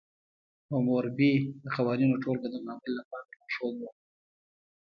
حموربي د قوانینو ټولګه د بابل لپاره لارښود وه.